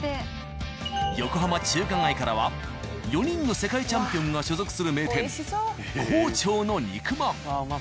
横浜中華街からは４人の世界チャンピオンが所属する名店「皇朝」の肉まん。